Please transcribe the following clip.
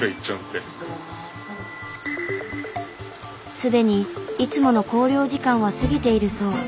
すでにいつもの校了時間は過ぎているそう。